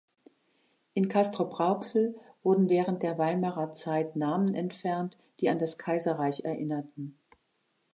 In Castrop-Rauxel wurden während der Weimarer Zeit Namen entfernt, die an das Kaiserreich erinnerten.